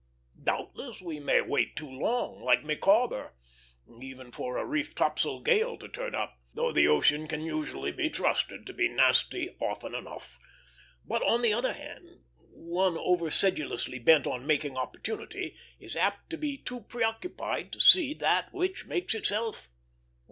Doubtless we may wait too long, like Micawber, even for a reef topsail gale to turn up, though the ocean can usually be trusted to be nasty often enough; but, on the other hand, one over sedulously bent on making opportunity is apt to be too preoccupied to see that which makes itself.